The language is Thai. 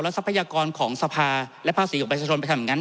แล้วทัพพยากรณ์ของสภาและพศออกประชาชนไปทำงาน